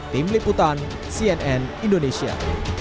tim liputan cnn indonesia